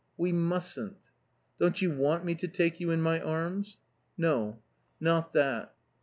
"We mustn't." "Don't you want me to take you in my arms?" "No. Not that."